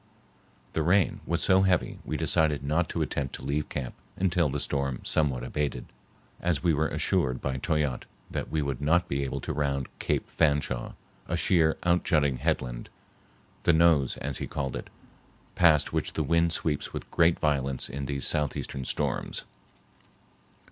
The rain was so heavy we decided not to attempt to leave camp until the storm somewhat abated, as we were assured by Toyatte that we would not be able to round Cape Fanshawe, a sheer, outjutting headland, the nose as he called it, past which the wind sweeps with great violence in these southeastern storms.